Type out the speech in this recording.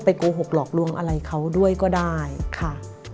โกหกหลอกลวงอะไรเขาด้วยก็ได้ค่ะ